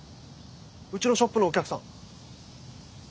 うちのショップのお客さん。